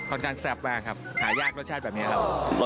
สร้างแซ่บมากครับหายากรสชาติแบบนี้ครับ